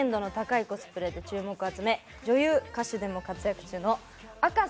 再現度の高いコスプレで注目を集め女優、歌手でも活躍中のあかせ